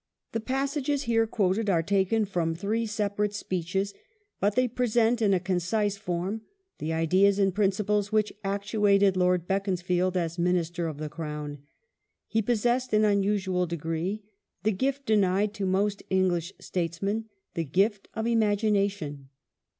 The passages here quoted are taken from three separate speeches, but they present in a concise form the ideas and principles which actuated Lord Beaconsfield as Minister of the Crown. He pos sessed in unusual degree the gift denied to most English States men — the gift of imagination.